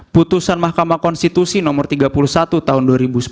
putusan mahkamah konstitusi nomor tiga puluh satu tahun dua ribu sepuluh